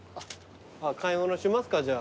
買い物しますかじゃあ。